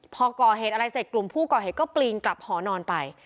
พอก่อเหตุอะไรเสร็จกลุ่มผู้ก่อเหตุก็ปีนกลับหอนอนไป